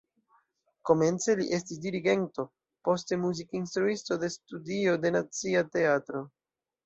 Komence li estis dirigento, poste muzikinstruisto de studio de Nacia Teatro.